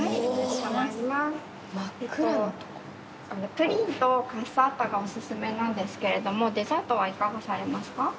プリンとカッサータがお薦めなんですけれどもデザートはいかがされますか？